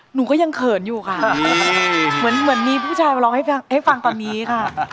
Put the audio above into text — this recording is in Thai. หนูก็ยังเขินอยู่ค่ะเหมือนมีผู้ชายมาร้องให้ฟังตอนนี้ค่ะ